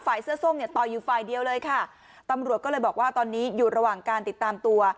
เสื้อส้มเนี่ยต่อยอยู่ฝ่ายเดียวเลยค่ะตำรวจก็เลยบอกว่าตอนนี้อยู่ระหว่างการติดตามตัว